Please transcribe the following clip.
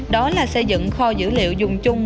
đó là xây dựng kho dữ liệu dùng chung